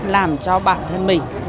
làm cho bản thân mình